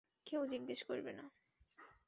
কেউ জিজ্ঞেস করবে না।